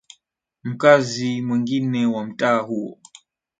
Mkazi mwengine wa mtaa huo